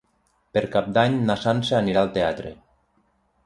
Per Cap d'Any na Sança anirà al teatre.